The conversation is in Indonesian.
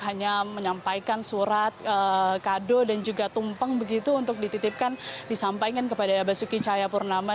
hanya menyampaikan surat kado dan juga tumpeng begitu untuk dititipkan disampaikan kepada basuki cahayapurnama